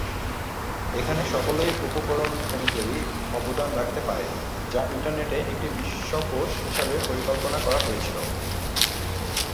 এখানে সকলেই উপকরণ অনুযায়ী অবদান রাখতে পারে, যা ইন্টারনেটে একটি বিশ্বকোষ হিসাবে পরিকল্পনা করা হয়েছিল।